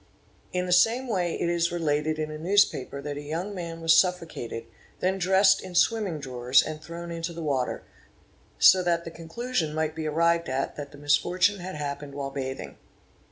; In the same way it is related in a newspaper that a young man was suffocated, then dressed in swimming drawers, and thrown into, the water, 'i 0 that the conclusion might be arrived at that the misfortune had happened while bathing.